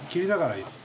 いいですよ。